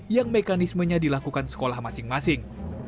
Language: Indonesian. yang mekanismenya dilakukan sekolah masing masing